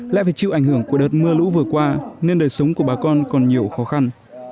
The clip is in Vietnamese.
lại phải chịu ảnh hưởng của đợt mưa lũ vừa qua nên đời sống của bà con còn nhiều khó khăn